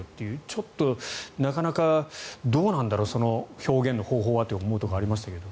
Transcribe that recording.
ちょっとなかなかどうなんだろうその表現の方法はって思うところはありましたけど。